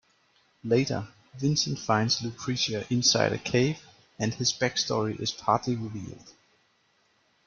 Later, Vincent finds Lucrecia inside a cave, and his backstory is partly revealed.